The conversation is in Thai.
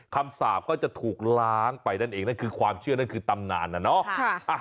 สาปก็จะถูกล้างไปนั่นเองนั่นคือความเชื่อนั่นคือตำนานนะเนาะ